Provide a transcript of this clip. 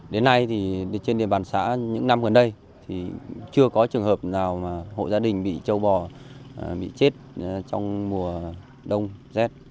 đến nay thì trên địa bàn xã những năm gần đây thì chưa có trường hợp nào mà hộ gia đình bị châu bò bị chết trong mùa đông rét